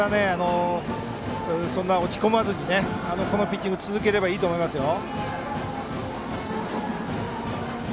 そんな落ち込まずにピッチングを続ければいいと思いますよ。